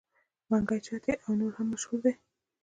منګي چاټۍ او نور هم مشهور دي.